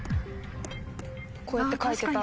こうやって書いてた。